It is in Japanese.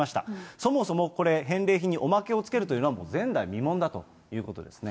そもそもこれ、返礼品におまけをつけるというのは、前代未聞だということですね。